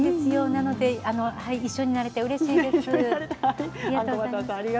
なので一緒になれてうれしいです。